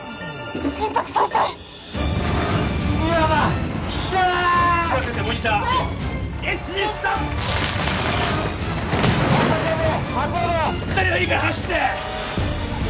２人はいいから走って！